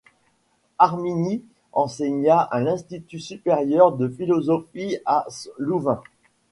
Harmignie enseigna à l’Institut supérieur de philosophie à Louvain.